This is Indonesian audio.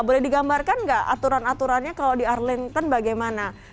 boleh digambarkan nggak aturan aturannya kalau di arlington bagaimana